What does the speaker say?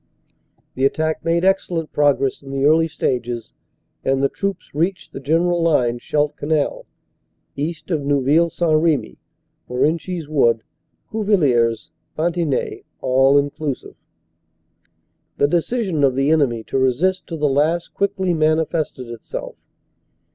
"The attack made excellent progress in the early stages, and the troops reached the general line, Scheldt Canal (east of Neuville St. Remy) Morenchies Wood Cuvillers Ban tigny (all inclusive). "The decision of the enemy to resist to the last quickly manifested itself.